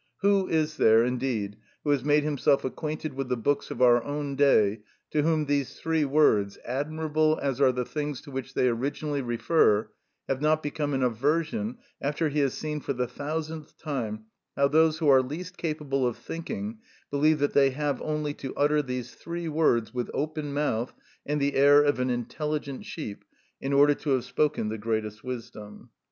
Who is there, indeed, who has made himself acquainted with the books of our own day to whom these three words, admirable as are the things to which they originally refer, have not become an aversion after he has seen for the thousandth time how those who are least capable of thinking believe that they have only to utter these three words with open mouth and the air of an intelligent sheep, in order to have spoken the greatest wisdom?